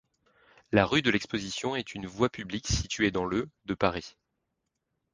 La rue de l'Exposition est une voie publique située dans le de Paris.